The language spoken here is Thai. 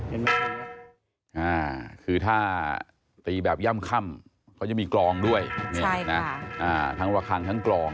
อ่าคือถ้าตีแบบย่ำค่ำเขาจะมีกรองด้วยใช่ค่ะอ่าทั้งระคังทั้งกรอง